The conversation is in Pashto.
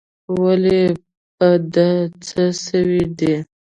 ولي په ده څه سوي دي؟